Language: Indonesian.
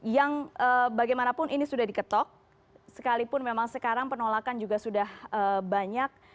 yang bagaimanapun ini sudah diketok sekalipun memang sekarang penolakan juga sudah banyak